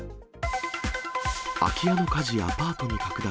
空き家の火事、アパートに拡大。